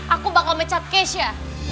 aku bakal mecat cash ya